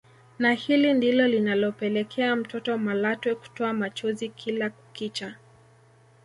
Na hili ndilo linalopelekea mtoto Malatwe kutoa machozi kila kukicha